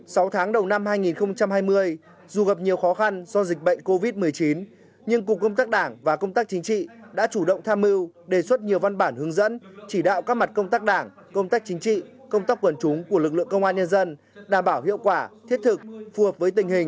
sau tháng đầu năm hai nghìn hai mươi dù gặp nhiều khó khăn do dịch bệnh covid một mươi chín nhưng cục công tác đảng và công tác chính trị đã chủ động tham mưu đề xuất nhiều văn bản hướng dẫn chỉ đạo các mặt công tác đảng công tác chính trị công tác quần chúng của lực lượng công an nhân dân đảm bảo hiệu quả thiết thực phù hợp với tình hình